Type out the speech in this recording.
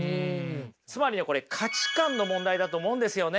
つまりねこれ価値観の問題だと思うんですよね。